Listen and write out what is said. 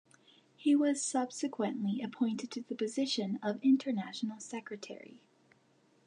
He was subsequently appointed to the position of International Secretary.